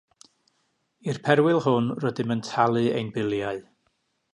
I'r perwyl hwn, rydym yn talu ein biliau.